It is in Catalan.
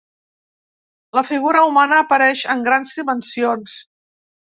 La figura humana apareix en grans dimensions.